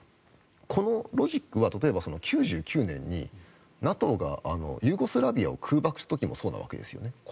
このロジックは１９９９年にＮＡＴＯがユーゴスラビアを空爆した時もそうなわけですね。